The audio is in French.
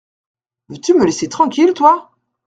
Veux-tu me laisser tranquille, toi !